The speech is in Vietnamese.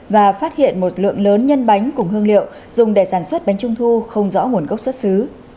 và phát hiện một lượng lớn nhân bánh cùng hương liệu dùng để sản xuất bánh trung thu không rõ nguồn gốc xuất xứ